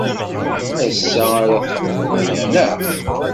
Ass-a ara txedmeḍ aya, neɣ?